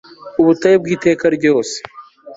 ubutayu bw'iteka ryose